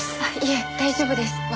あっいえ大丈夫です。